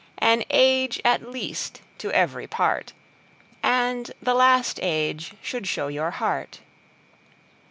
An Age at least to every part, And the last Age should show your Heart.